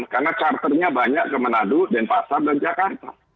karena charternya banyak ke manado dan pasar dan jakarta